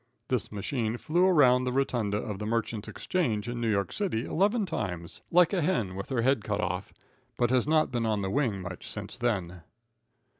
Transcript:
This machine flew around the rotunda of the Merchants' Exchange, in New York City, eleven times, like a hen with her head cut off, but has not been on the wing much since then.